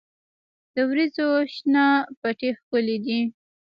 د وریجو شنه پټي ښکلي دي.